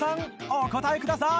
お答えください